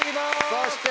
そして。